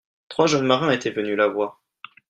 trois jeunes marins étaient venus la voir.